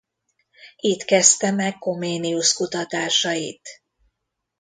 Itt kezdte meg Comenius-kutatásait.